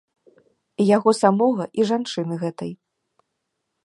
Яго самога і жанчыны гэтай.